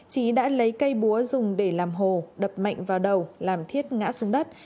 trí đã lấy cây búa dùng để làm hồ đập mạnh vào đầu làm thiết ngã xuống đất